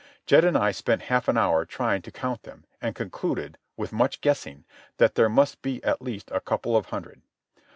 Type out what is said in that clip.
Jed and I spent half an hour trying to count them, and concluded, with much guessing, that there must be at least a couple of hundred.